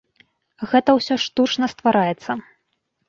Гэта ўсё штучна ствараецца.